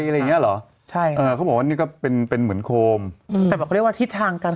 แต่ถ้าเกิดอยู่ข้างบนเนี่ยมันจะเกิดเหลือจากกลางเผาไหม้